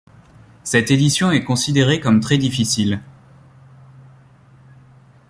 Cette édition est considérée comme très difficile.